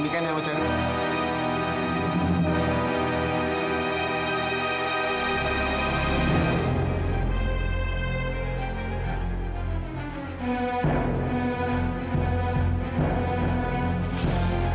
ini kan yang macam